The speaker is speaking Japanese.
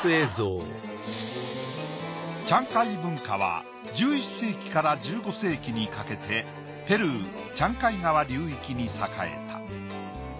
チャンカイ文化は１１世紀から１５世紀にかけてペルーチャンカイ川流域に栄えた。